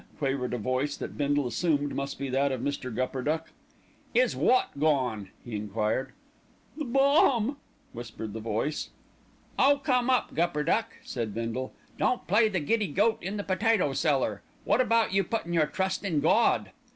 quavered a voice that Bindle assumed must be that of Mr. Gupperduck. "Is wot gone?" he enquired. "The bomb," whispered the voice. "Oh, come up, Gupperduck," said Bindle. "Don't play the giddy goat in the potato cellar. Wot about you puttin' your trust in Gawd?"